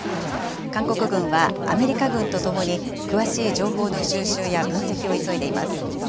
韓国軍はアメリカ軍とともに、詳しい情報の収集や分析を急いでいます。